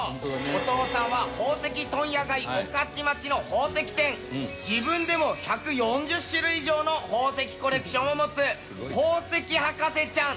お父さんは宝石問屋街御徒町の宝石店自分でも１４０種類以上の宝石コレクションを持つ宝石博士ちゃん